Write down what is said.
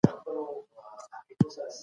قوت بايد د حق په خدمت کي وي.